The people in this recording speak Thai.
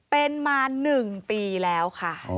เป็นมา๑ปีแล้วค่ะ